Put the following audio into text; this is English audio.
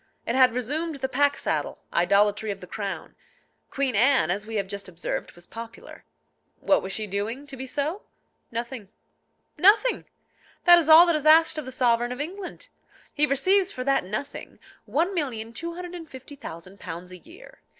It had resumed the pack saddle, idolatry of the crown. Queen Anne, as we have just observed, was popular. What was she doing to be so? Nothing. Nothing! that is all that is asked of the sovereign of England. He receives for that nothing £1,250,000 a year.